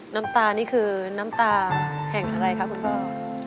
น้ำตานี่คือน้ำตาแห่งอะไรครับคุณครอบครัว